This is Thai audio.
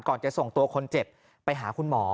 จะส่งตัวคนเจ็บไปหาคุณหมอ